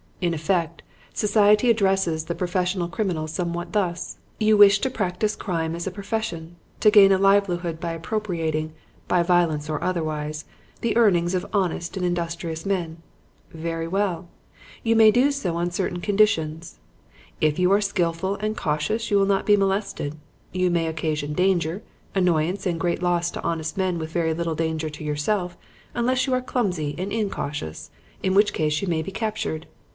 In effect, society addresses the professional criminal somewhat thus: "'You wish to practice crime as a profession, to gain a livelihood by appropriating by violence or otherwise the earnings of honest and industrious men. Very well, you may do so on certain conditions. If you are skilful and cautious you will not be molested. You may occasion danger, annoyance and great loss to honest men with very little danger to yourself unless you are clumsy and incautious; in which case you may be captured.